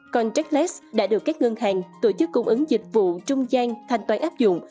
còn techlex đã được các ngân hàng tổ chức cung ứng dịch vụ trung gian thanh toán áp dụng